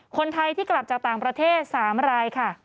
คนไทยที่กลับจากต่างประเทศ๓รายค่ะ